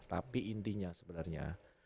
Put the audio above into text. tapi intinya sebenarnya